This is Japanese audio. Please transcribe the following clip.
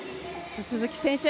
鈴木選手